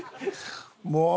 もう！